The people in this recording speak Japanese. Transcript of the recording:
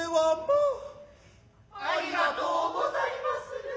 ありがとうござりまする。